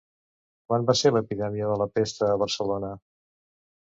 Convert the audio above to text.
Quan va ser l'epidèmia de la pesta a Barcelona?